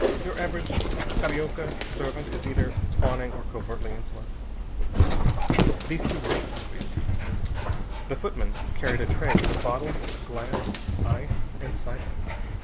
Your average Carioca servant is either fawning or covertly insolent. These two were obsequious. The footman carried a tray with a bottle, glass, ice, and siphon.